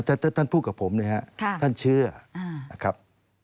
ถ้าท่านพูดกับผมนะครับท่านเชื่อนะครับ